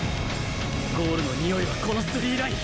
ゴールのにおいはこの３ライン